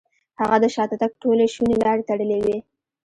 هغه د شاته تګ ټولې شونې لارې تړلې وې.